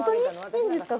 いいんですか？